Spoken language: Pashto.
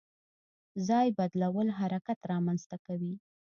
ځای بدلول حرکت رامنځته کوي.